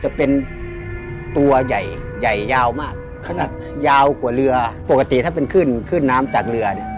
จะเป็นตัวใหญ่ใหญ่ยาวมากขนาดยาวกว่าเรือปกติถ้าเป็นขึ้นขึ้นน้ำจากเรือเนี่ย